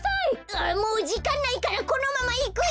あもうじかんないからこのままいくよ！